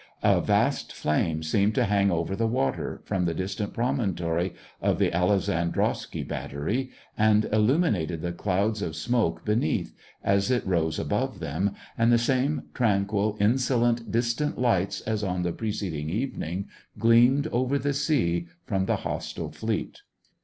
A vast flame seemed to hang over the water, from the distant promontory of the Alexandrovsky bat tery, and illuminated the clouds of smoke beneath, SEVASTOPOL IN AUGUST. 257 as it rose above them ; and the same tranquil, insolent, distant lights as on the preceding even ing gleamed over the sea, from the hostile fleet.